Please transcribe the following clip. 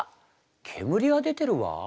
煙が出てるわ。